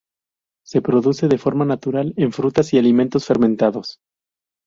Se produce de forma natural en frutas y alimentos fermentados.